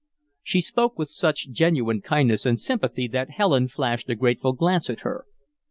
She spoke with such genuine kindness and sympathy that Helen flashed a grateful glance at her.